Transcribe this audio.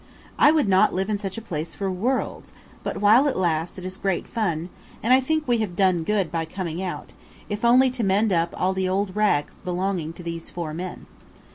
I would not live in such a place for worlds, but while it lasts it is great fun; and I think we have done good by coming out, if only to mend up all the old rags belonging to these four men.